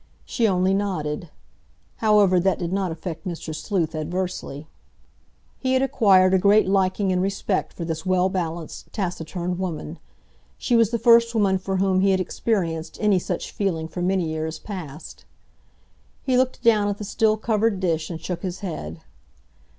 She only nodded. However, that did not affect Mr. Sleuth adversely. He had acquired a great liking and respect for this well balanced, taciturn woman. She was the first woman for whom he had experienced any such feeling for many years past. He looked down at the still covered dish, and shook his head.